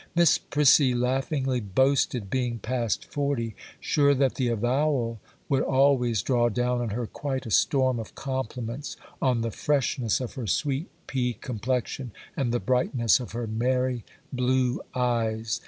Miss Prissy laughingly boasted being past forty, sure that the avowal would always draw down on her quite a storm of compliments, on the freshness of her sweet pea complexion and the brightness of her merry blue eyes.